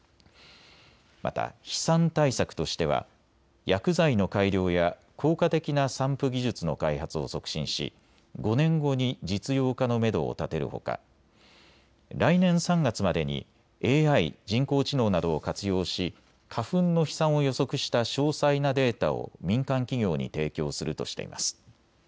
また飛散対策としては薬剤の改良や効果的な散布技術の開発を促進し５年後に実用化のめどを立てるほか来年３月までにＡＩ・人工知能などを活用し花粉の飛散を予測した詳細なデータを民間企業に提供するとしています。